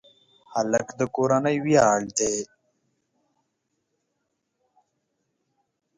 هلک د کورنۍ ویاړ دی.